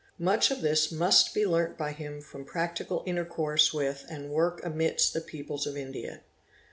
Much of this must be learnt by him from practical intercourse with and work amidst the peoples of India.